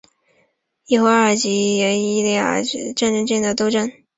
由阿尔及利亚支持的波利萨里奥阵线在与毛里塔尼亚和摩洛哥的战争中进行了斗争。